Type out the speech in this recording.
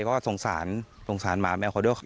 เพราะสงสารสงสารหมาแมวของเขาด้วย